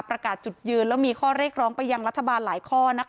ประกาศจุดยืนแล้วมีข้อเรียกร้องไปยังรัฐบาลหลายข้อ